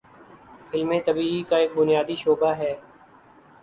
علم طبیعی کا ایک بنیادی شعبہ ہے